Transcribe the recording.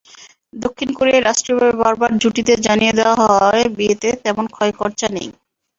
দক্ষিণ কোরিয়ায় রাষ্ট্রীয়ভাবে বারবার জুটিদের জানিয়ে দেওয়া হয়, বিয়েতে তেমন খয়খরচা নেই।